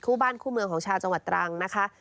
คู่บ้านคู่เมืองของชาวจังหวัดตรังนะคะ